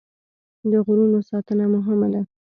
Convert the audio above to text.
د غرونو ساتنه مهمه ده.